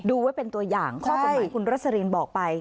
ดูไว้เป็นตัวอย่างข้อกฎหมายคุณรสลินบอกไป